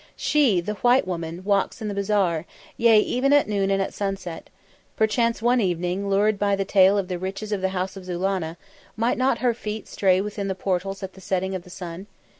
"She, the white woman, walks in the bazaar, yea, even at noon and at sunset. Perchance one evening, lured by the tale of the riches of the house of Zulannah, might not her feet stray within the portals at the setting of the sun.